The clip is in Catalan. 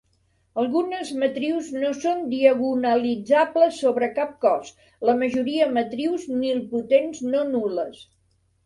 Algunes matrius no són diagonalitzables sobre cap cos, la majoria matrius nilpotents no-nul·les.